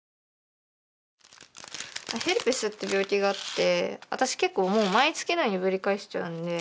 ヘルペスって病気があって私結構もう毎月のようにぶり返しちゃうんで。